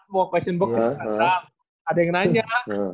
buka question box ada yang nanya kak